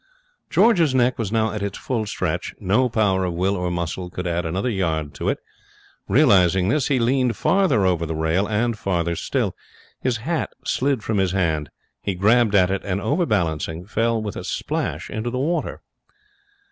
George's neck was now at its full stretch. No power of will or muscle could add another yard to it. Realizing this, he leaned farther over the rail, and farther still. His hat slid from his hand. He grabbed at it, and, over balancing, fell with a splash into the water.